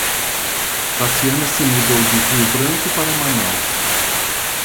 Tatiana se mudou de Rio Branco para Manaus.